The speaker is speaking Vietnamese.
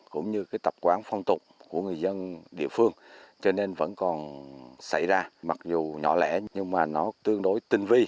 cũng như cái tập quán phong tục của người dân địa phương cho nên vẫn còn xảy ra mặc dù nhỏ lẻ nhưng mà nó tương đối tinh vi